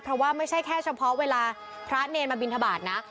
เพราะว่าไม่ใช่แค่เฉพาะเวลาพระเนรมาบินทบาทนะ